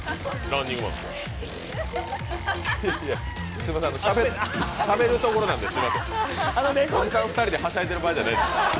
すいません、しゃべるところなんでおじさん２人ではしゃいでいる場合じゃないです。